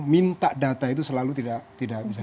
minta data itu selalu tidak bisa